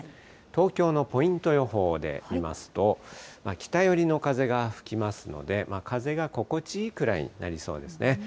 東京のポイント予報で見ますと、北寄りの風が吹きますので、風が心地いいくらいになりそうですね。